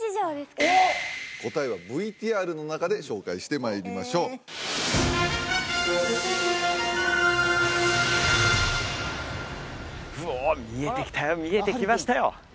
答えはＶＴＲの中で紹介してまいりましょうお見えてきたよ見えてきましたよ